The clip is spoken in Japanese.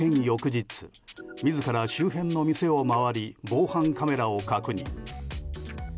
翌日自ら周辺の店を回り防犯カメラを確認。